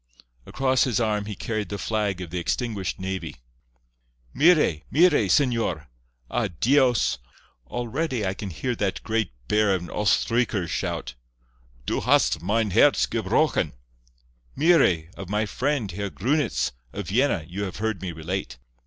Across his arm he carried the flag of the extinguished navy. "Mire! mire! señor. Ah, Dios! Already can I hear that great bear of an Oestreicher shout, 'Du hast mein herz gebrochen!' Mire! Of my friend, Herr Grunitz, of Vienna, you have heard me relate.